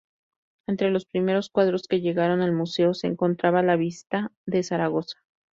Entre los primeros cuadros que llegaron al museo se encontraba la "Vista de Zaragoza".